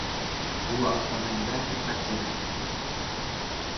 Ул аҡсаны нимә эшләтмәксеһең?